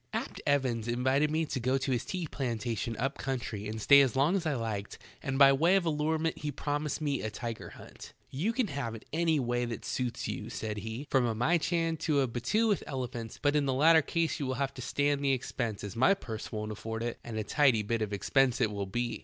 'T. EVANS invited me to go to his tea plantation up eountry and stay as long as I liked and by way of allurement he promised me a tiger hunt. "You ean have it in any way that suits you," said he, " from a myehan to a battue with elephants, but in the latter ease you will have to stand the expense, as my purse won't afford it, and a tidy bit of expense it will be.